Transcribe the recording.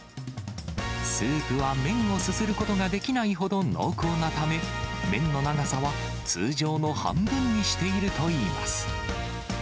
スープは麺をすすることができないほど濃厚なため、麺の長さは通常の半分にしているといいます。